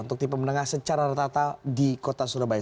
untuk tipe menengah secara rata rata di kota surabaya